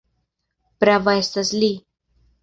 Prava estas Li!